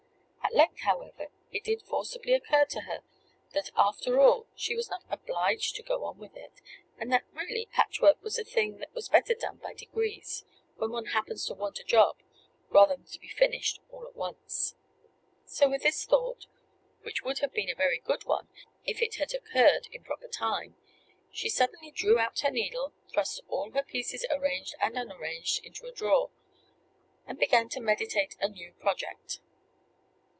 At length, however, it did forcibly occur to her that, after all, she was not obliged to go on with it; and that, really, patchwork was a thing that was better done by degrees, when one happens to want a job, than to be finished all at once. So, with this thought (which would have been a very good one if it had occurred in proper time), she suddenly drew out her needle, thrust all her pieces, arranged and unarranged, into a drawer, and began to meditate a new project.